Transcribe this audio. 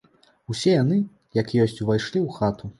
Усе яны як ёсць увайшлі ў хату.